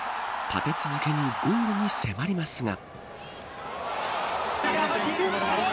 立て続けにゴールに迫りますが。